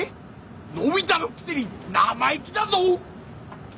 のび太のくせに生意気だぞ！